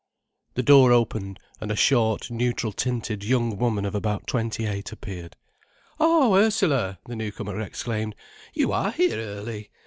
The door opened, and a short, neutral tinted young woman of about twenty eight appeared. "Oh, Ursula!" the newcomer exclaimed. "You are here early!